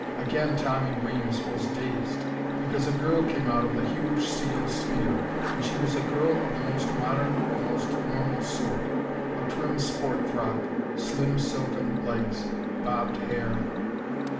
Again Tommy Reames was dazed. Because a girl came out of the huge steel sphere and she was a girl of the most modern and most normal sort. A trim sport frock, slim silken legs, bobbed hair....